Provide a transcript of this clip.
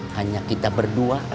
hanya kita berdua